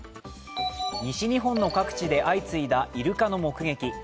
西日本の各地で相次いだイルカの目撃。